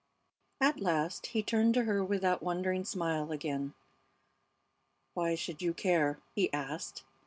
At last he turned to her with that wondering smile again. "Why should you care?" he asked.